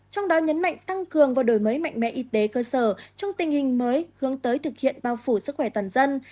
trong đó nhấn mạnh tăng cường và đổi mới mạnh mẽ y tế cơ sở trong tình hình mới hướng tới thực hiện bao phủ sức khỏe toàn dân